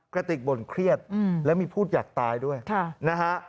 กระติกบ่นเครียดแล้วมีพูดอยากตายด้วยนะฮะ